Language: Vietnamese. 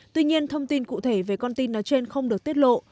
tuy nhiên thông tin cụ thể về con tin nói trên không được tiết lộ